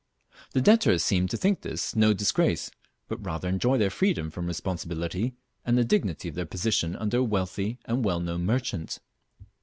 The debtors seem to think this no disgrace, but rather enjoy their freedom from responsibility, and the dignity of their position under a wealthy and well known merchant.